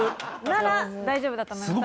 なら大丈夫だと思います。